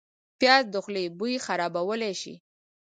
پیاز د خولې بوی خرابولی شي